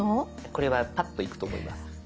これはパッといくと思います。